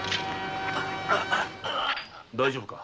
大丈夫か？